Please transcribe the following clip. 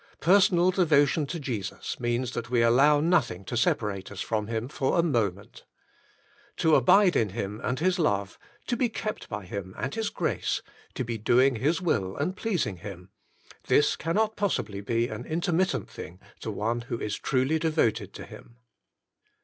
Personal devotion to Jesus means that we allow nothing to separate us from Him for a moment. To abide in Him and His love, to be kept by Him and His grace, to be doing His will and pleasing Him — this cannot possibly be an intermittent thing to one who is truly devoted to Him.